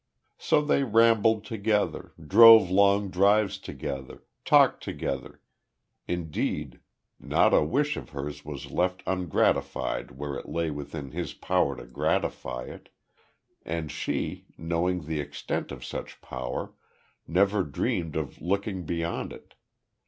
So they rambled together, drove long drives together, talked together; indeed, not a wish of hers was left ungratified where it lay within his power to gratify it, and she, knowing the extent of such power, never dreamed of looking beyond it.